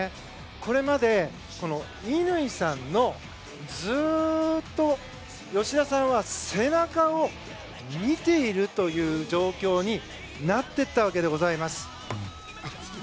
これまで乾さんのずーっと吉田さんは背中を見ているという状況になってったわけです。